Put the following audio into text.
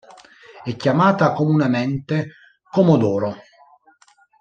È chiamata comunemente "Comodoro".